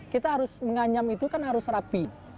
kita harus menganyam itu kan harus rapi